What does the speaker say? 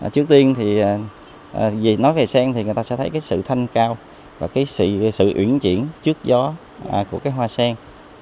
trước tiên thì nói về sen thì người ta sẽ thấy cái sự thanh cao và cái sự uyển chuyển trước gió của cái hoa sen